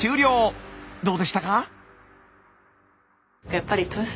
どうでしたか？